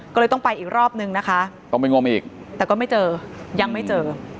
ก็เลยต้องไปอีกรอบนึงนะคะต้องไปงมอีกแต่ก็ไม่เจอยังไม่เจอ